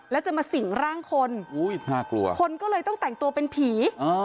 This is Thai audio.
แล้วจะมาสิ่งร่างคนคนก็เลยต้องแต่งตัวเป็นผี